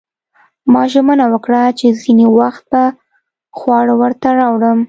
ما ژمنه وکړه چې ځینې وخت به خواړه ورته راوړم